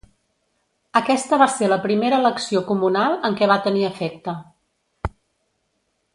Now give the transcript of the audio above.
Aquesta va ser la primera elecció comunal en què va tenir efecte.